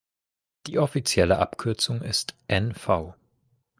Die offizielle Abkürzung ist "Nv".